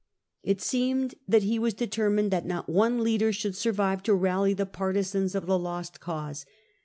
It seemed that he K SULLA 146 was determined that not one leader should survive to rally the partisans of the lost cause.